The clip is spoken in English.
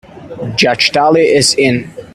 Judge Tully is in.